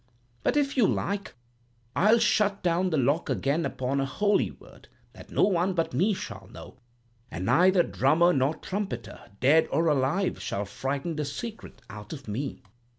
But if you like, I'll shut down the lock again upon a holy word that no one but me shall know, and neither drummer nor trumpeter, dead or alive, shall frighten the secret out of me.'